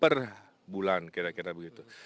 per bulan kira kira begitu